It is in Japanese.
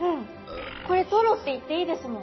これトロって言っていいですもん。